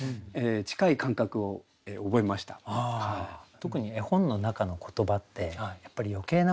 特に絵本の中の言葉ってやっぱり余計なものがないから。